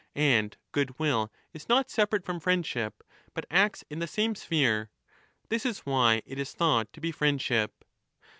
And goodwill is pot separate from friendship, but acts in the same sphere. This is why it is thought to be friendship.